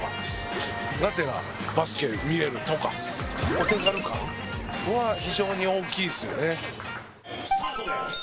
お手軽感は非常に大きいですよね。